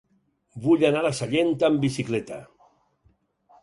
Vull anar a Sallent amb bicicleta.